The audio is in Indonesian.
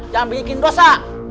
jangan bikin dosa